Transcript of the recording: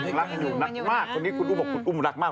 มากที่นี่คุณอุ้มบอกคุณอุ้มรักมาก